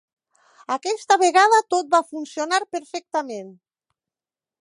Aquesta vegada tot va funcionar perfectament.